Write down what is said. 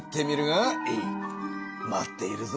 待っているぞ。